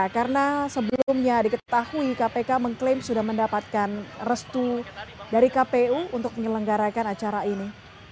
karena sebelumnya diketahui kpk mengklaim sudah mendapatkan restu dari kpu untuk menyelenggarakan acara ini